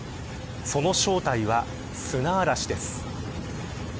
その正体は砂嵐です。